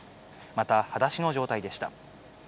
また、はだしの状態でした。